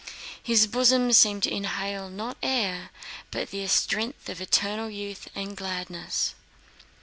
His bosom seemed to inhale not air but the strength of eternal youth and gladness.